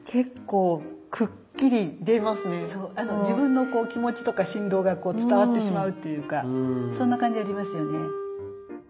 自分の気持ちとか振動がこう伝わってしまうっていうかそんな感じありますよね。